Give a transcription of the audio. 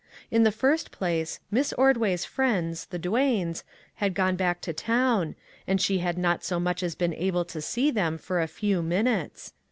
In the first place, Miss Ordway's friends, the Duanes, had gone back to town, and she had not so much as been able to see them for a few minutes.